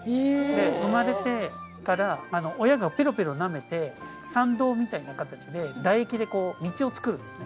生まれてから親がペロペロ舐めて産道みたいな形で唾液で道を作るんですね。